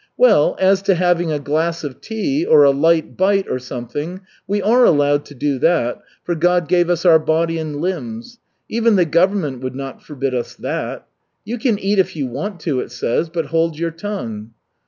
Well, as to having a glass of tea, or a light bite, or something, we are allowed to do that, for God gave us our body and limbs. Even the government would not forbid us that. 'You can eat, if you want to,' it says, 'but hold your tongue.'"